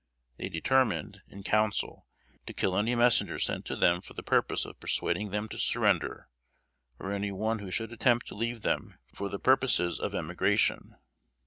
They determined, in council, to kill any messenger sent to them for the purpose of persuading them to surrender, or any one who should attempt to leave them for the purposes of emigration.